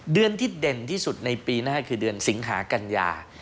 เดือนที่เด่นที่สุดในปีหน้าคือเดือนสิงหากัญญา